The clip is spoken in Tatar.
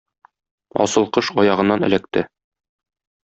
Асыл кош аягыннан эләкте.